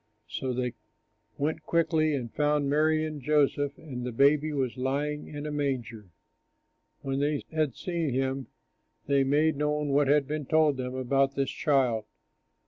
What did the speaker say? So they went quickly and found Mary and Joseph; and the baby was lying in a manger. When they had seen him, they made known what had been told them about this child.